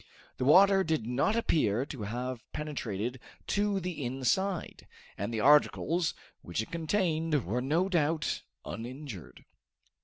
The water did not appear to have penetrated to the inside, and the articles which it contained were no doubt uninjured.